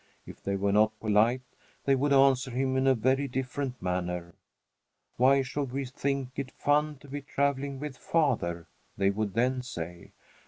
If they were not polite, they would answer him in a very different manner. "Why should we think it fun to be travelling with father?" they would then say.